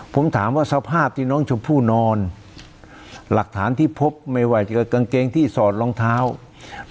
ผมถามว่าสภาพที่น้องชมพู่นอนหลักฐานที่พบไม่ว่าจะกางเกงที่สอดรองเท้า